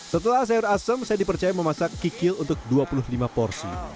setelah sayur asem saya dipercaya memasak kikil untuk dua puluh lima porsi